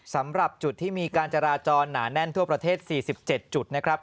สำหรับจุดที่มีการจราจรหนาแน่นทั่วประเทศ๔๗จุดนะครับ